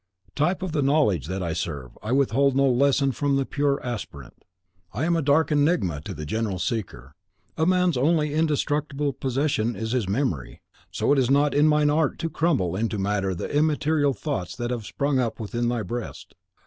Type of the knowledge that I serve, I withhold no lesson from the pure aspirant; I am a dark enigma to the general seeker. As man's only indestructible possession is his memory, so it is not in mine art to crumble into matter the immaterial thoughts that have sprung up within thy breast.